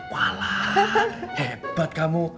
wala hebat kamu